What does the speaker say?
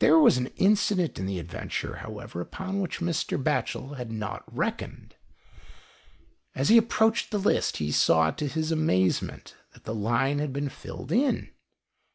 There was an incident in the adventure, however, upon which Mr. Batchel had not reckoned. As he approached the list, he saw, to his amazement, that the line had been filled in.